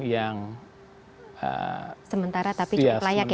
yang sementara tapi cukup layak ya mas ya